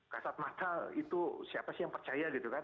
kasat mata itu siapa sih yang percaya gitu kan